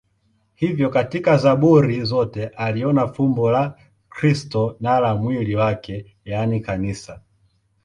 Hivyo katika Zaburi zote aliona fumbo la Kristo na la mwili wake, yaani Kanisa.